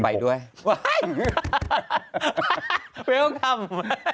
จากพื้นแรก๘ก็เป็น๑๖๐๐๐